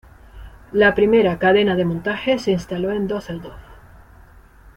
La primera cadena de montaje se instaló en Düsseldorf.